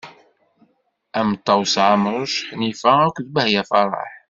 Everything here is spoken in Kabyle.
Am Ṭawes Ɛemruc, Ḥnifa akk d Bahya Faraḥ.